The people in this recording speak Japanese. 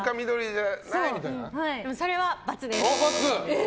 それは×です。